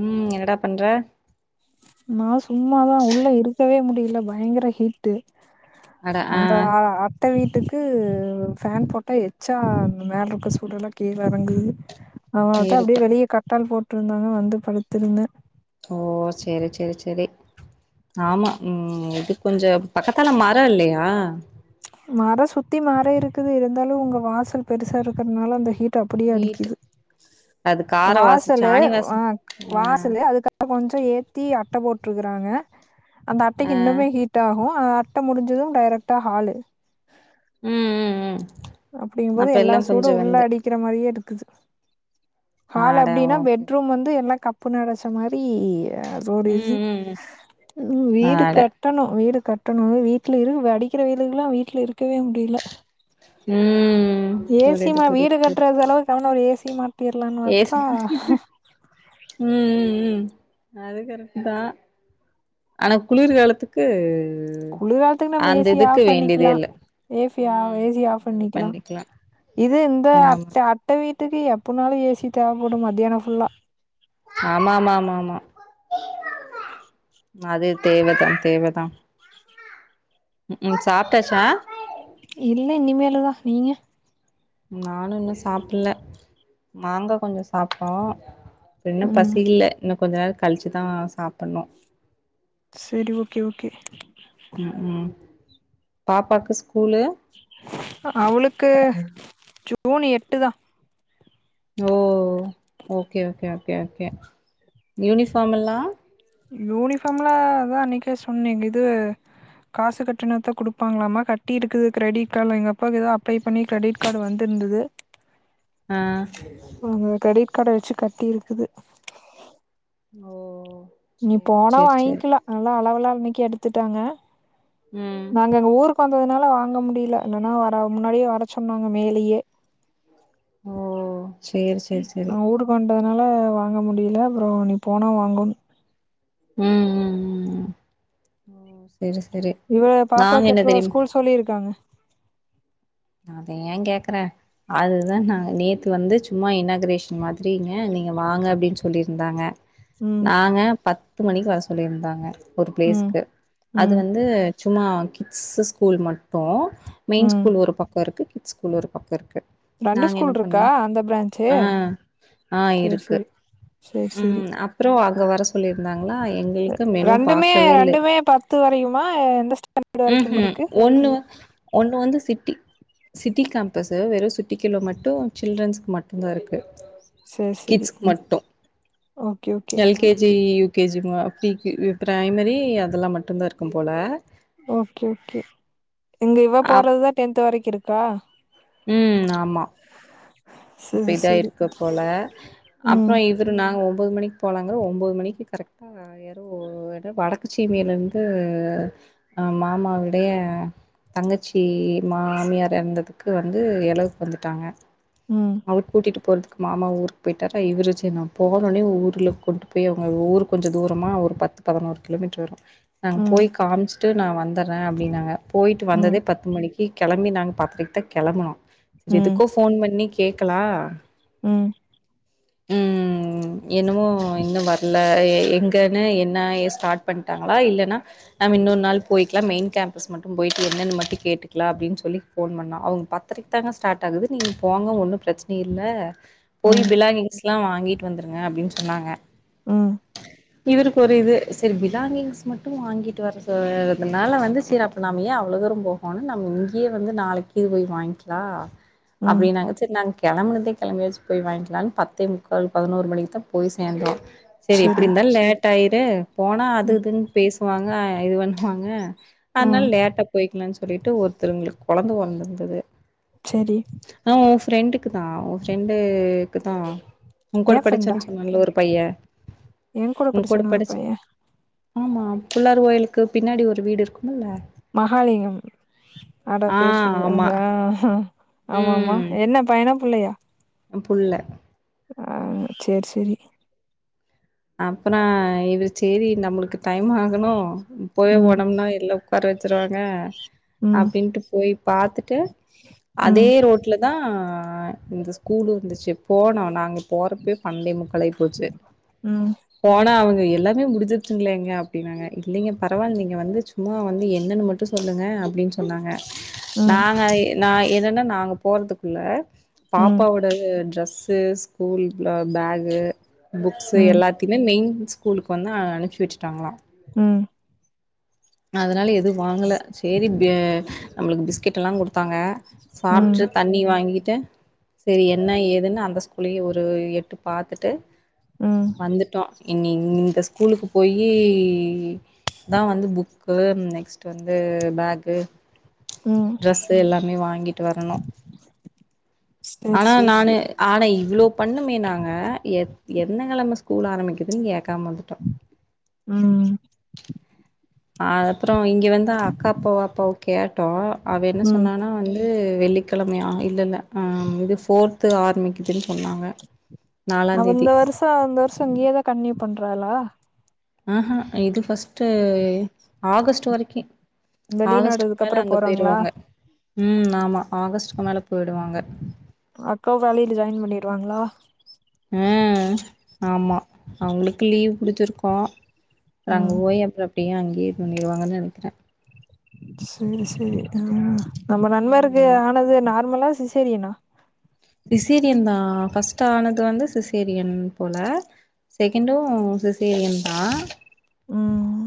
ம் என்னடா பண்ற நா சும்மாதா உள்ள இருக்கவே முடியில பயங்கர ஹீட் டு அட ஆ அந்தா அத் த வீட்டுக்கு ஃபேன் போட்டா எச்சா அ மேல இருக்கற சூடெல்லா கீழ எறங்குது அதனால்தா இருக்க அப்டியே வெளியே கட்டல் போட்ருந்தாங்க வந்து படுத்துருந்தே ஓ செரி செரி செரி ஆமா ம் இது கொஞ்சோ பக்கத்தால மரோ இல்லையா மரோ சுத்தி மரோ இருக்கிது இருந்தாலு உங்க வாசல் பெருசா இருக்கிறதனால அந்த ஹீட் அப்டியே வீட்டு அடிக்கிது அது கார வாசோ வாசலு சாணி வ வாசோ வா ஆ சலு அதுக்கப்பறோ கொஞ்ச ஏத்தி அட்ட போட்டிருக்காங்க அந்த அட்டைக்கி ஆ இன்னுமே ஹீட் ட்டாகு அட்ட முடிஞ்சது டைரெக்டா ஹாலு ம் ம் ம் அப்டிங்போது அப்ப எல்லா சூடு கொஞ்சோ உள்ள வந்து அடிக் கிற மாரியே இருக்குது ஹால் ஆட அப்டின்னா ஓகே பெட்ரூம் வந்து எல்லா கப்புன்னு அடச் ச மாரி அது ஒரு ம் இது ம் ம் வீடு ஆட கட் டணு வீடு கட்டணு வீட்ல இரு அடிக்கிற வெயிலுக்ல்லா வீட்ல இருக்கவே முடில ம் ஏசி புரியுது மா வீடு புரியுது புரியுது கட்ற செலவுக்கான ஒரு ஏசி மாட்டிர்லானு பாத்தா ஏசி ம் ம் ம் அது கரெட் தா ஆனா குளிர்காலத்துக்கு குளிர்காலத்துக்கு நம்ம அந்த ஏசி இதுக்கு ஆஃப் வேண்டியதே பண்ணிக்லா இல்ல ஏசி ஆ ம் ஏசி ஆஃப் அது பண்ணிக்லா பண்ணிக்கலா இது இந்த ஆமா அத்த அத்த வீட்டுக்கு எப்புனாலு ஏசி தேவப்படு மதியானோ ஃபுல்லா ஆமாமாமா அது தேவதா தேவதா ம் சாப்டாச்சா இல்ல இனிமேலு தா நீங்க நானு இன்னு சாப்பில மாங்க கொஞ்சோ சாப்ட்டோ அப்ற இன்னு பசி ம் இல்ல இன்னு கொஞ்ச நேரோ கழிச்சுதா சாப்புட்ணு செரி ஓகே ஓகே ம் ம் பாப்பாக்கு ஸ்கூலு அவளுக்கு ஜூன் எட்டு தா ஓ okay okay okay okay uniform எல்லா யூனிஃபாம்லா அதா அன்னக்கே சொன்னேங் இது காசு கட்டுனாதா குடுப்பாங்ளாமா கட்டி இருக்குது கிரெடிட் கார்ட்ல எங்கப்பாக்கு எதோ அப்ளை பண்ணி கிரெடிட் கார்டு வந்துருந்தது ஆ அந்த கிரெடிட் கார்ட வச்சு கட்டி இருக்குது ஓ இனி சேரி போனா சேரி சேரி வாங்கிக்லா நல்லா அளவுலா அன்னக்கே எடுத்துட்டாங்க ம் நாங்க எங்க ஊருக் கு வந்ததுனால வாங்க முடில என்னன்னா வர முன்னாடியே வர சொன்னாங்க மேலயே ஓ சேரி சேரி சேரி நாங்க ஊருக் கொண்டதுனால வாங்க முடில அப்றோ இனி போனா வாங்கனு ம் ம் ம் ஓ சேரி சேரி இவ நாங்க பாப்பாக்கு என்ன எப்ப தெரியும் ஸ்கூல் சொல்லிருக்காங்க அத ஏ கேக்குற அதுதா நாங்க நேத்து வந்து சும்மா இனாக்ரேஷன் மாதிரிங்க நீங்க வாங்க அப்டின் சொல்லியிருந்தாங்க ம் நாங்க பத்து மணிக்கு வர சொல்லியிருந்தாங்க ஒரு ம் பிளேஸ்க்கு அது ம் வந்து சும்மா கிட்ஸ் ஸ்கூல் மட்டு மெயின் ம் ஸ்கூல் ஒரு பக் க இருக்கு கிட்ஸ் ஸ்கூல் ஒரு பக்கோ இருக்கு ரெண்டு நாங்க என்ன ஸ்கூல் இருக்கா பண்ணோ அந்த பிரான்ச்சு ஆ ஆ சரி இருக்கு சரி சரி சரி ம் அப்றோ அங்க வர சொல்லியிருந்தாங்ளா எங் ளுக்கு மெனு ரெண்டுமே பாக்கவே இல்ல ரெண்டுமே பத்து வரைக்குமா எந்த ஸ்டாண்டர்ட் வரைக்கும் ம்ஹூம் இருக்கு ஒன்னு ஒன்னு வந்து சிட்டி சிட்டி கேம்பஸ்ஸு வெறு சிட்டி குள்ள மட்டு சில்டரன்ஸ்க் மட் டு தா இருக்கு சரி சரி கிட்ஸ்க்கு மட்டு okay okay LKG UKG pre K primary அதெல்லா மட்டுதா இருக்கு போல ஓகே ஓகே இங்க இவ அப் போறதுதா டென்த் வரைக்கு இருக்கா ம் ஆமா இப்ப சரி சரி இதாயிருக்கு போல அப்றோ ம் இது தோட நாங்க ஒன்போது மணிக் போலாங்க ஒன்போது மணிக்கு கரெக்டா அ யாரோ வடக்கு சீமைய்லந்து அ மாமாவிடய தங்கச்சி மாமியார் எர்ந்ததுக்கு வந்து எளவுக்கு வந்துட்டாங்க ம் அவுர் கூட்டிட்டு போறதுக்கு மாமா ஊருக்கு போய்ட்டாரா இவுரு சின்னவ போனோன்னே ஊர்ல கொண்டுன் போய் அவுங்க ஊரு கொஞ்ச தூரமா ஒரு பத்து பதினோரு கிலோமீட்ரு வரும் நாங் ம் போய் காம்ச்சுட்டு நா வந்துறே அப்டின்னாங்க போய்ட்டு ம் வந்ததே பத் து மணிக்கு கெளம்பி நாங்க பத்ரைக்தா கிளம்புனோ ம் எதுக்கோ ஃபோன் பண்ணி கேக்கலா ம் ம் ம் என்னமோ இன்னு வர்ல எ எங்கன்னு நா ஏ ஸ்டார்ட் பண்ட்டாங்ளா இல்லனா நம் இன்னொரு நாள் போய்க்கலா மெய்ன் கேம்ப்பஸ் மட்டு போய்ட்டு என்னன் மட்டு கேட்டுக்லா அப்டின் சொல்லி ஃபோன் பண்ண அவுங் பத் ரைக்கு தாங்க ஸ்டாட் ஆகுது நீங் போங்க ஒன்னு ப்ரச்ன இல்ல ம் போய் பிலாங்கிங்ஸ்லா வாங்கிட் வந்துருங்க அப்டின் சொன்னாங்க ம் இவருக்கு ஒரு இது செரி பிலாங்கிங்ஸ் மட்டும் வாங்கிட்டு வரஸ் துனால வந்து சேர் அப் இப்ப நம்ம ஏ அவ்ளோ தூரோ போகணு நம்ம இங்கியே வந்து நாளைக்கி போய் வாய்ன்க்லா ம் அப்டின்னாங்க செரி நாங்க கெளம்புனதே கெளம்பியாச் போய் வாய்ன்க்லான் பத்தே முக்கால் பதினோரு மணிக்கு தா போய் சேர்ந்தோ செரி சரி எப்டிர்ந்தால் லேட் ஆய்டு போனா அது ம் இதுன் பேஸ் வாங்க இது பண்வாங்க ம் அத்னால் லேட்டா போய்க்லான் சொல்லிட்டு ஒருத்தருங்களுக் கொழந்த பொறந்துருந்துது செரி ஆ உன் ஃப்ரெண்டுக்கு தா உன் ஃப்ரெண்டு க்கு தா உன் கூட என் ஃப்ரெண்டா படிச்சான் சொன்னல ஒரு பையன் என் உன் கூட படிச்சவன ஒரு படிச் பையன் ஆமா புள்ளார் கோயில்க்கு பின்னாடி ஒரு வீடு இருக்குமுல்ல மஹாலிங்கம் ஆட்டாட ஆ பேர் ஆமா சொல்லுவாருங்க ஆமா ஆமா ம் என்ன பையனா புள்ளயா புள்ள ஆ சேர் சேரி அப்றோ இது சேரி நம்ளுக்கு டைம் ஆகணு இப்பவே ம் ஓடம்னா இல்ல உக்கார வெச்ருவாங்க ம் அப்டின்ட்டு போய் பாத்துட்டு அதே ம் ரோட் ல தா இந்த ஸ்கூல் இருந்துச்சு போனோ நாங்க போறப்யே பனன்டே முக்காளாய் போச்சு ம் போனா அவுங்க எல்லாமே முடிஞ்சிரச்சிங்ளே அப்டின்னாங்க இல்லங்க பரவால் நீங்க வந்து சும்மா வந்து என்னன் மட்டு சொல்லுங்க அப்டின் சொன்னாங்க ம் நாங்க நா என்னன்னா நாங்க போறதுக்குள்ள ம் பாப்பாவோட ட்ரெஸ்ஸு ஸ்கூல் ப்லா பேகு புக்ஸ்ஸு ம் எல்லா திமே மெய்ன் ஸ்கூலுக்கு வந்து அனுப்ச் வெச்சிட்டாங்ளா ம் அதனால எதுவு வாங்கல சேரி பே நம்ளுக்கு பிஸ்கெட்டெல்லா குட்த் தாங்க ம் சாப்ட்டு தண்ணி வாங்கிட்டு செரி என்ன ஏதுனு அந்த ஸ்கூ லியோ ஒரு எட்டு பாத்துட்டு ம் வந்துட்டோம் இனி இந்த ஸ்கூலுக்கு போய் தான் வந்து புக் புக்கு நெக்ஸ்ட்டு வந்து பேக்கு ம் ட்ரெஸ்ஸு எல்லாமே வாங்கிட்டு வரணும் சேரி ஆனா சேரி நானு சேரி ஆனா இவ்வளோ பண்ணுமே நாங்க எத் என கெழம ஸ்கூல் ஆரம்பிக்கக்குதுன்னு கேக்காம வந்துட்டோம் ம் அப்புறோம் இங்க வந்து அக்கா அப்பாவ அப்பாவ கேட்டோம் அவ என்ன ம் சொன்னனா வந்து வெள்ளிக்கெழமையா ஆ இல்லல்ல இது போர்து ஆர்மிக்கு இப்பிடி சொன்னாங்க நாலாந்தேதி சோ இங்கேதான் கண்ட்டீனியூ பண்றாளா ஆஹஹா இது ஃபர்ஸ்ட்டுஆகஸ்ட் வரைக்கும் வெளிநாடு ஆகஸ்டுக்கு மேல இதுக்கப்புறோ அங்க போறாங்களா போயிருவாங்க ம் ஆமா ஆகஸ்ட்கு மேல போயிடுவாங்க அக்கா வேலையில ஜாயின் பண்ணிருவாங்களா ம் ஆமா அவுங்ளுக்கு லீவ் புடிச்சிருக்கோம் ம் [unintelligible] அங்கே தங்கிருவாங்கன்னு நெனைக்கிறன் சரி சரி அ நம்ப நண்பருக்கு ம் ஆனது நார்மலா சிசேரியனா சிசீரியன் தான் ஃபஸ்ட் ஆனது வந்து சிசேரியன் போல செகண்டும் சிசேரியன் தான் ம்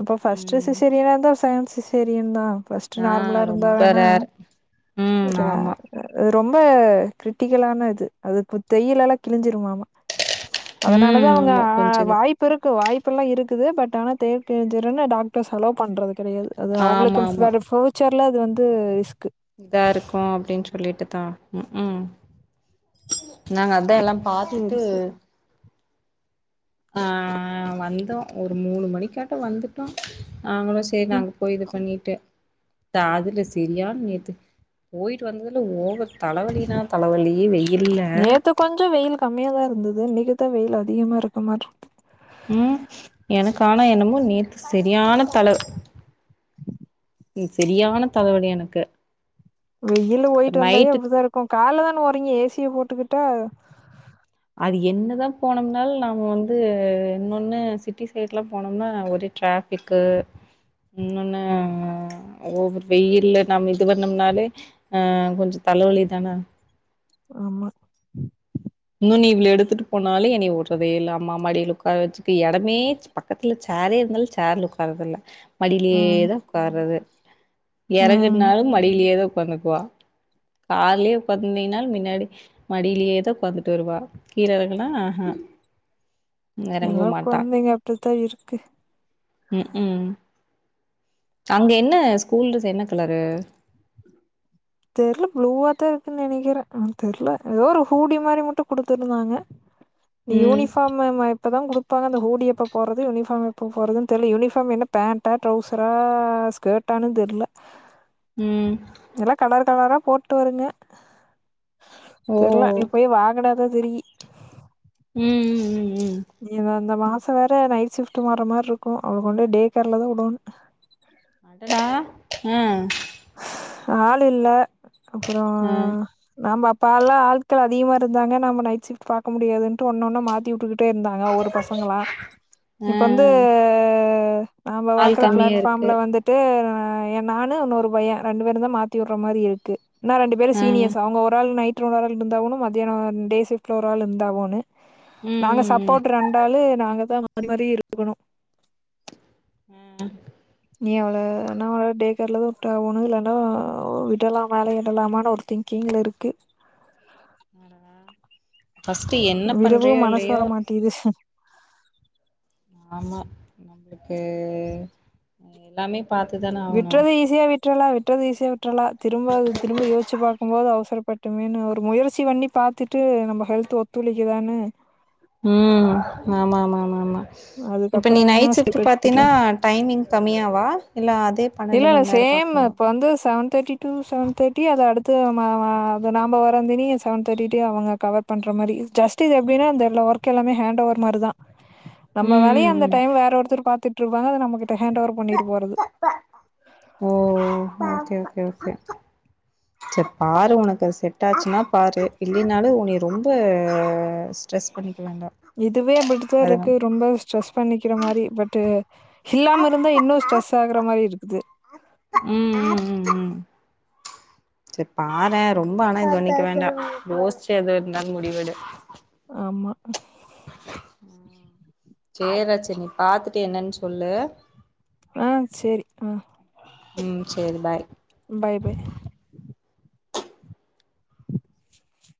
இப்ப ஃபஸ்ட்ட் ம் சிசரியனா இருந்தா செகண்ட் சிசேரியனு தான் ஃபர்ஸ்ட்ட் ஆ நார்மலா இருந்தா ரொம்ப வேணா ரேர் ம் ஆமா ரொம்ப கிரிட்டிகலான இது அது தையல எல்லாம் கிழிஞ்சிருமாமாம் அதனால தான் ம் அவுங்க ஆமா கொஞ்ச இது வாய்ப்பு ப்பிருக்கும் வாய்ப்பெல்லாம் இருக்குது பட் ஆனால் தையல் கிழிஞ்டுன்னு டாக்டர்ஸ் செலவு பண்றது கெடயாது அது ஆமா ஆமா அவுங்களுக்கு ஃபியூச்சர்ல அது வந்து ரிஸ்க்கு இதான் இருக்கும் அப்டின்னு சொல்லிட்டு தா ம் ம் நாங்க அதான் எல்லா பாத்துட்டு சேரி சேரி ஆ வந்தோம் ஒரு மூணு மணிக்காட்டோம் வந்துட்டோம் அவுங்களும் சரி ம் நாங்க போய் இது பண்ணிட்டு அதுல சரியானனு நேத்து போயிட்டு வந்ததுல ஓவரு தலவழின்னா தலவலி ஏங்க இருங்க கொஞ்ஜோம் வெயிலு கம்மியா தான் இருந்தது இன்னைக்குதான் வெயில் அதிகமா இருக்க மாட் ம் எனக்கானா என்னமோ நேத்து செரியான தலவு ம் செரியான தலவலி எனக்கு வெயில போயிட்டு வந்தாவே நைட்டு அப்டிதான் இருக்கும் கார்ல தான போரீங்க ஏசிய போட்டுக்கிட்டா அது என்னதான் போனோம்னாலு நாம வந்து இன்னொன்னு சிட்டி சைட்லாம் போனோம்னா ஒரே ட்ராபிக் பிக்கு இன்னொன்னு ஓவரு வெயில்ல நாம வீட்டுக்கு வந்தோம்னாலே ஆ கொஞ்ஜோம் தலவலி தான ஆமா இன்னும் நீ இவ்ள எடுத்துட்டு போனாலும் என்ன வுடடுறதே இல்ல அம்மா மடில உட்கார வெச்சக்க இடமே பக்கத்துல் சாரே இருந்தாலும் சறுல் உட்காரறதில்ல மடியிலேயே ம் தான் உட்காரறது ம் இறகுனாலும் மடியிலயே தான் உட்காந்துக்குவா காலலேயே உட்காந்தினானும் மின்னாடி மடியிலேயேதான் உக்காந்துட்டு வருவா கீழ எரங்குனா ஆ ஆ எல்லா குழந்தைங்க அப்டித்தான் இருக்கு ம் ம் அங்க என்ன ஸ்கூல் ட்ரெஸ் என்ன கலரு தெர்ல ப்ளூவா தா இருக்குன்னு நெனைக்கிறே தெர்ல ஏதோ ஒரு ஹூடி மாரி மட்டு குடுத்துருந்தாங்க நீ ம் யூனிஃபார்ம் எப்பதா குடுப்பாங்க அ ஹூடி எப்ப போறது யூனிஃபார்ம் எப்ப போறது தெர்ல யூனிஃபார்ம் என்னப் பேண்டா ட்ரௌசரா ஸ்கட்டானு தெர்ல ம் எல்லா கலர் கலரா போட்டு வருங்க ஓ தெர்ல இனிபோய் வாங்குனாதா தெரியு ம் ம் ம் ம் நீ அந்த மாச வேற நைட் சிப் டு மாற மாரி இருக்கு அவளு கொண்டு டேகேர்ல தா விடணு ட ஆ ஆள் இல்ல அப்பற ஆ நம்ம அப்பால்லா ஆட்கள் அதிகமா இருந்தாங்க நம் நைட் சிப்ட் பாக்க முடியாதுன்ட்டு ஒன்னு ஒன்னா மாத்தி விட்டுக்கிட் டே இருந்தாங்க ஒவ்வொரு பசங்களா ஆ. இப்ப வந்து நாம ஆள் பாக்குற கம்மியா இருக்கு பிளாட்ஃபார்ம்ல வந்து ட்டு எ நானு ஒன்னோரு பைய ரெண்டு பேருந்தா மாத்திவுற மாரி இருக்கு இன்னா ரெண்டு பேர் ஆ ம் சீனியர்ஸ் அவுங்க ஒரு ஆள் நைட் ஒரு ஆள் இருந்தா கூட மதியானம் டே சிப்ட் ஒரு ஆள் இருந்தாவனு ம் நாங்க ம் சப்போர்டராண்டாலு நாங்கதா மாரி மாரி இருக்கனு ம் நீ அவள நா அவள டேகேர்லதா ஒண்ணுயிலன்னா விடலா வேலய விடலாமா ஒரு திங்கிங்ல இருக்கு ஃபர்ஸ்ட்டு என்ன பண்றியோ இல்லயோ டூரிசம் ஆமா நமளுக்கு எல்லாமே பாத்துதான ஆவணு விட்றுதி ஈசியா வி்ட்றலா விட்டுறது ஈசியா வி்ட்றலா திரும்பது திரும்ப யோச்சு பாக்கும்போது அவசரப்பட்டுமே ஒரு முயற்சி பண்ணி பாத் த்துட்டு நம்ம ஹெல்த் ஒத்துழைக்குதானு ம் ஆமா மாமா மாமா இப்ப அதுக்கப்புற நீ வேணா நைட் ஷிப்ட் ஸ்டெப் எடுத்துக்கலா பாத்தீன்னா டைமிங் கம்மியாவா இல்ல அதே இல்ல பன்னெண்டு இல்ல மண் நேரோ சேம் பாக்கணுமா இப்ப வந்து seven thirty to seven thirty அத அடுத்து மாமா அது நாம வரந்தனி செவன் தேர்ட்டி ட்டு அவுங்க கவர் பண்ற மாரி ஜஸ்ட்டு இது எப்பினா அந்த ஒர்க் ஹேண்ட் ஓவர் மாரி தா நம்ம ம் வேலய ம் அந்த ம் டைம் வேற ஒருத்தர் பாத்துட்டுருப்பாங்க அத நம்ம கிட்ட ஹேண்ட்ஓவர் பண்ணிட்டு போறது ஓ ஓ ஓகே ஓகே [inaudible] சேரி பாரு ஒனக்கு செட் ஆச்சுன்னா பாரு இல்லைனாலு உனைய ரொம்ப ஸ்ட்ரெஸ் பண்ணிக்க வேண்டா இதுவே அப்டிதா அது இருக்கு ம் ரொம்ப ஸ்ட்ரெஸ் பண்ணிக்கிற மாரி பட் இல்லாம இருந்தா இன்னு ஸ்ட்ரெஸ் ஆகுற மாரி இருக்குது ம் ம் ம் ம் சரி பாறே ரொம்ப ஆனா இது பண்ணிக்க வேண்டா யோசிச்சு எது இருந்தாலு முடிவெடு ஆமா சேர்ரா செ நீ பாத்துட்டு என்னன்னு சொல்லு ஆ சேரி ஆ ம் சேரி பாய் பாய் பாய்